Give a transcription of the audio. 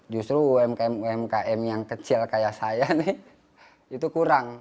justru umkm umkm yang kecil kayak saya nih itu kurang